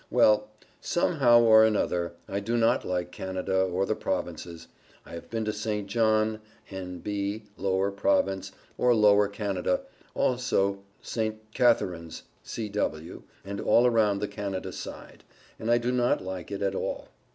Well, somehow or another, I do not like Canada, or the Provinces. I have been to St. John, N.B., Lower Province, or Lower Canada, also St. Catharines, C.W., and all around the Canada side, and I do not like it at all.